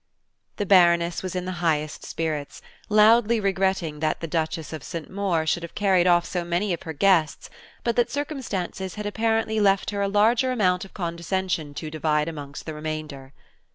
The Baroness was in the highest spirits, loudly regretting that the Duchess of St. Maur should have carried off so many of her guests, but that circumstance had apparently left her a larger amount of condescension to divide amongst the remainder.